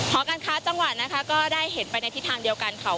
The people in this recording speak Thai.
หอการค้าจังหวัดนะคะก็ได้เห็นไปในทิศทางเดียวกันค่ะ